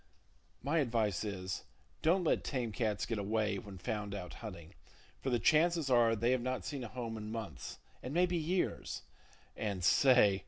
My advice is, don't let tame cats get away when found out hunting; for the chances are they have not seen a home in months, and maybe years,—and say!